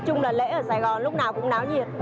chung là lễ ở sài gòn lúc nào cũng náo nhiệt